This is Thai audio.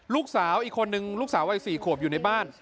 ลูกสาวอีกคนนึงลูกสาววัย๔ขวบอยู่ในบ้าน